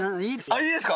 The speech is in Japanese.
いいですか？